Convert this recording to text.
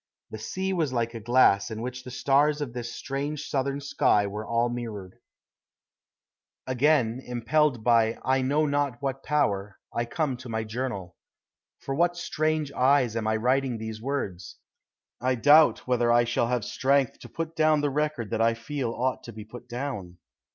The sea was like a glass in which the stars of this strange southern sky were all mirrored. Again, impelled by I know not what power, I come to my journal. For what strange eyes am I writing these words? I doubt whether I shall have strength to put down the record that I feel ought to be put down.